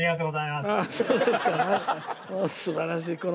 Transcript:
すばらしい。